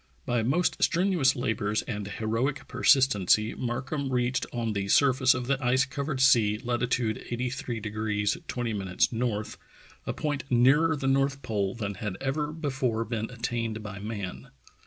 B}'^ most strenuous labors and heroic persistency Markham reached on the sur face of the ice covered sea latitude 83 20' N., a point nearer the north pole than had ever before been at tained by man.